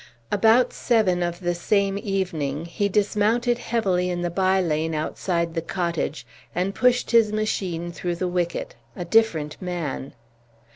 About seven of the same evening he dismounted heavily in the by lane outside the cottage, and pushed his machine through the wicket, a different man.